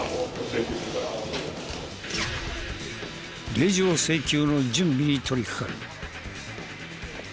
令状請求の準備に取りかかる。